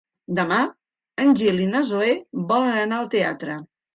Demà en Gil i na Zoè volen anar al teatre.